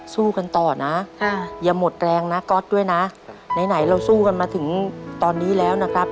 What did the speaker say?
สู้กันต่อนะอย่าหมดแรงนะก๊อตด้วยนะไหนเราสู้กันมาถึงตอนนี้แล้วนะครับ